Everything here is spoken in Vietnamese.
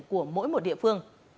của mỗi một địa phương